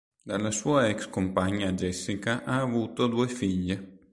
Dalla sua ex compagna Jessica ha avuto due figlie.